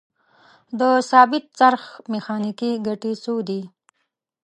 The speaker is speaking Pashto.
د ثابت څرخ میخانیکي ګټې څو دي؟